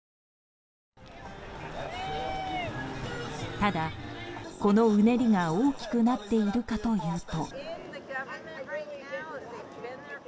ただ、このうねりが大きくなっているかというと。